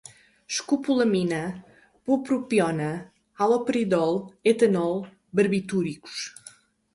escopolamina, bupropiona, haloperidol, etanol, barbitúricos